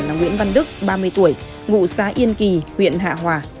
là nguyễn văn đức ba mươi tuổi ngụ xã yên kỳ huyện hạ hòa